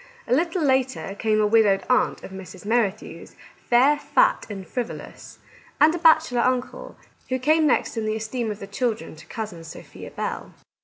A little later came a widowed aunt of Mrs. Mer rithew's, fair, fat, and frivolous ; and a bachelor uncle, who came next in the esteem of the children to Cousin Sophia Bell.